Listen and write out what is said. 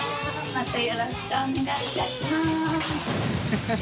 またよろしくお願いいたします。